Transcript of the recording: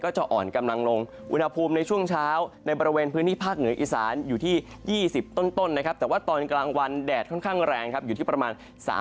จะอ่อนกำลังลงอุณหภูมิในช่วงเช้าในบริเวณพื้นที่ภาคเหนืออีสานอยู่ที่๒๐ต้นนะครับแต่ว่าตอนกลางวันแดดค่อนข้างแรงครับอยู่ที่ประมาณ